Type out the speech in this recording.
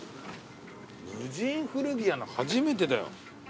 無人古着屋初めてだよ。